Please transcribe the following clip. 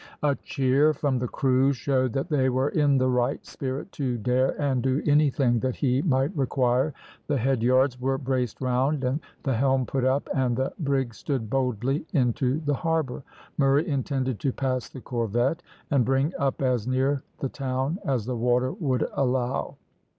A cheer from the crew showed that they were in the right spirit to dare and do anything that he might require. The head yards were braced round, the helm put up, and the brig stood boldly into the harbour. Murray intended to pass the corvette, and bring up as near the town as the water would allow.